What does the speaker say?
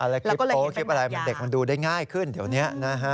แล้วก็เลยเห็นเป็นบรรยาคลิปอะไรเด็กมันดูได้ง่ายขึ้นเดี๋ยวนี้